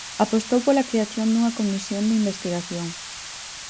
Apostou pola creación dunha comisión de investigación.